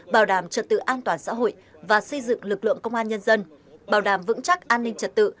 bảo đảm trật tự an toàn xã hội và xây dựng lực lượng công an nhân dân bảo đảm vững chắc an ninh trật tự